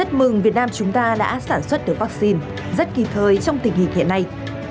nhưng việt nam chúng ta đã sản xuất được vaccine rất kỳ thơi trong tình hình hiện nay